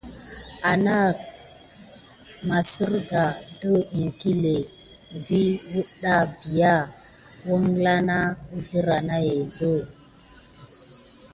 Aknah maserga det iŋklé vi kawda bia uzrlah na uwa na yezu.